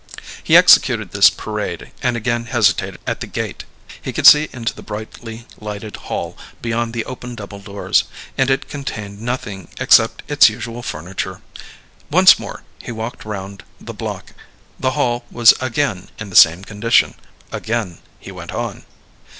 He executed this parade, and again hesitated at the gate. He could see into the brightly lighted hall, beyond the open double doors; and it contained nothing except its usual furniture. Once more he walked round the block. The hall was again in the same condition. Again he went on.